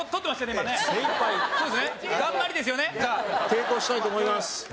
抵抗したいと思います。